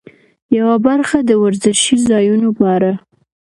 یوه برخه د وزرشي ځایونو په اړه.